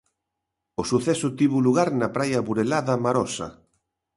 O suceso tivo lugar na praia burelá da Marosa.